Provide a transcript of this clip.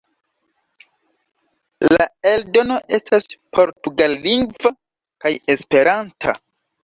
La eldono estas portugallingva kaj esperanta.